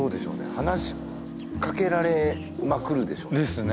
話しかけられまくるでしょですね